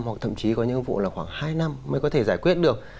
hoặc thậm chí có những vụ là khoảng hai năm mới có thể giải quyết được